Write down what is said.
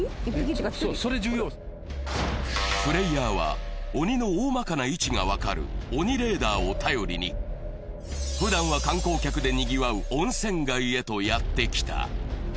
プレイヤーは鬼の大まかな位置が分かる鬼レーダーを頼りにふだんは観光客でにぎわう温泉街へとやってきた。